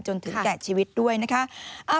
จนถึงแก่ชีวิตด้วยนะคะ